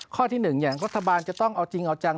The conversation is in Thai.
ข้อที่๑อย่างรัฐบาลจะต้องเอาจริงเอาจัง